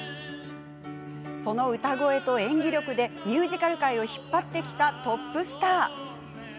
その歌声と演技力でミュージカル界を引っ張ってきたトップスター！